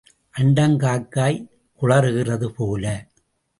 அண்டங் காக்காய் குழறுகிறது போல.